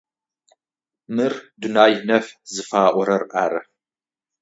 Мыр Дунай нэф зыфаӏорэр ары.